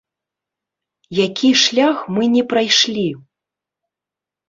Які шлях мы не прайшлі?